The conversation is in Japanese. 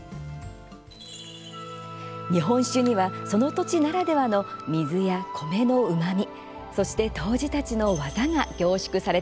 日本酒にはその土地ならではの水や米のうまみそして杜氏たちの技が凝縮されています。